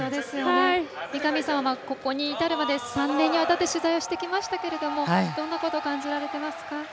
三上さんはここにいたるまで３年にわたって取材をしてきましたけれどもどんなことを感じられていますか？